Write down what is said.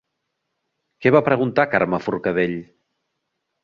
Què va preguntar Carme Forcadell?